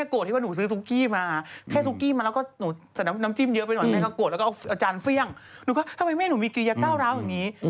เอกซีท์วิธีไล่ผีแปลกแถวบ้านเธอเป็นอย่างไรบ้างน่ะ